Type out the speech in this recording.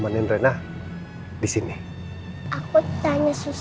wah ini bagus nih bagus